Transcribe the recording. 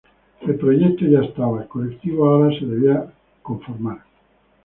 El proyecto ya estaba, el colectivo ahora se debía conformar.